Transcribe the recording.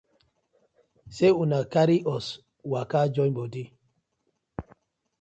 Sey una go karry us waka join bodi.